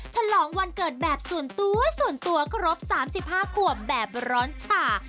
ฉลองวันเกิดแบบส่วนตัวส่วนตัวก็ครบ๓๕ขวบแบบร้อนฉ่า